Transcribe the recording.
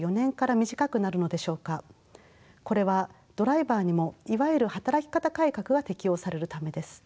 これはドライバーにもいわゆる働き方改革が適用されるためです。